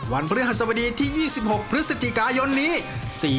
พฤหัสบดีที่๒๖พฤศจิกายนนี้